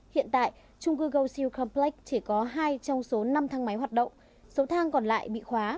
hiện tại trung cư golc complex chỉ có hai trong số năm thang máy hoạt động số thang còn lại bị khóa